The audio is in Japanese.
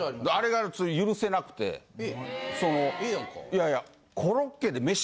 いやいや。